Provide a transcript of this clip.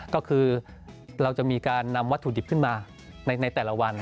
ก็คือเราจะมีการนำวัตถุดิบขึ้นมาในแต่ละวัน